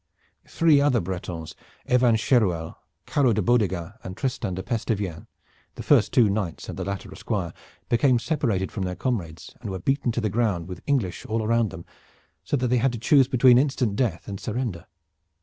Three other Bretons, Evan Cheruel, Caro de Bodegat, and Tristan de Pestivien, the first two knights and the latter a squire, became separated from their comrades, and were beaten to the ground with English all around them, so that they had to choose between instant death and surrender.